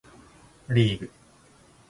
リーグ